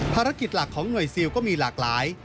ภารกิจหลักของหน่วยซิลก็มีหลากหลาย